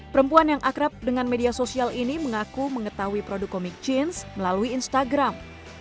perempuan yang akrab dengan media sosial ini mengaku mengetahui produk komik jeans melalui instagram